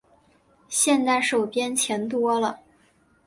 现在手边钱多了